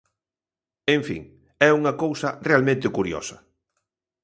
En fin, é unha cousa realmente curiosa.